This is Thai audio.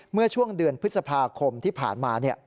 เมื่อช่วงเดือนพฤษภาคมที่ผ่านมา